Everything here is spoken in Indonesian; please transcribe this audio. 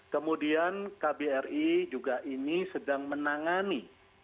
kemudian kbri juga ini sedang menangani